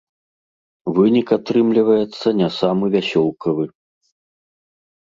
Вынік атрымліваецца не самы вясёлкавы.